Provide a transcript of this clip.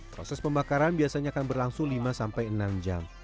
proses pembakaran biasanya akan berlangsung lima sampai enam jam